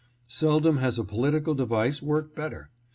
Seldom has a political device worked bet ter.